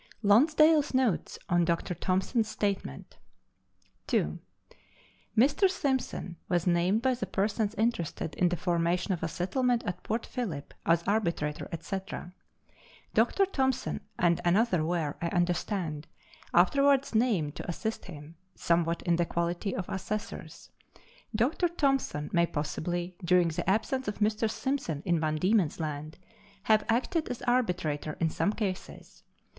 LONSDALE'S NOTES ON DK. THOMSON'S STATEMENT. 2. Mr. Simpson was named by the persons interested in the formation of a settlement at Port Phillip, as arbitrator, &c. Dr. Thomson and another were, I understand, afterwards named to assist him, somewhat in the quality of assessors. Dr. Thomson may possibly, during the absence of Mr. Simpson in Van Diemen's Land, have acted as arbitrator in some cases.